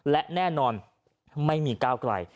และแน่นอนไม่มีก้าวไกล